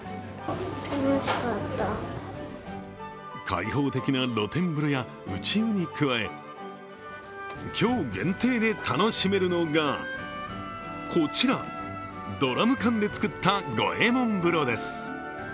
開放的な露天風呂や内湯に加え、今日限定で楽しめるのがこちら、ドラム缶で作った五右衛門風呂です。